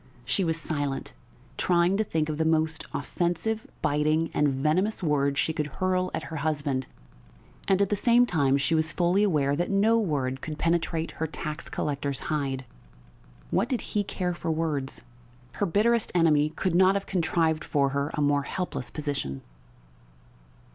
She was silent, trying to think of the most offensive, biting, and venomous word she could hurl at her husband, and at the same time she was fully aware that no word could penetrate her tax collector's hide. What did he care for words? Her bitterest enemy could not have contrived for her a more helpless position.